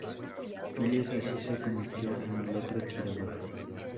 Files así se convirtió en el otro tirador.